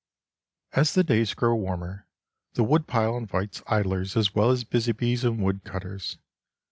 As the days grow warmer, the woodpile invites idlers as well as busy bees and wood cutters.